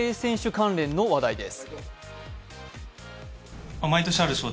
関連の話題です。